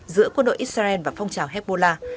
giữa quân đội israel và phong trào hezbollah